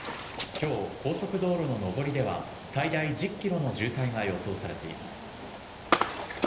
きょう、高速道路の上りでは、最大１０キロの渋滞が予想されています。